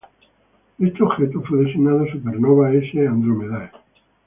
Este objeto fue designado supernova "S Andromedae".